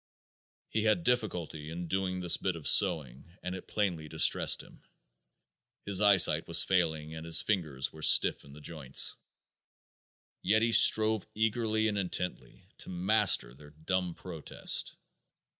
He had difficulty in doing this bit of sewing, and it plainly distressed him. His eyesight was failing and his fingers were stiff in the joints. Yet he strove eagerly and intently to master their dumb protest.